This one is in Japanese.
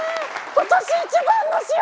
今年一番の幸せ！